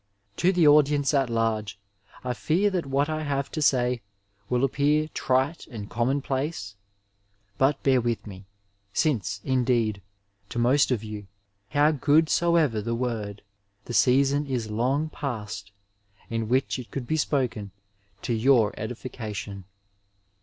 To the audi ence at large I fear that what I have to say will appear trite and commonplace, but bear with me, since, indeed, to most of you how good soever the word, the season is long past in which it could be spoken to your edification.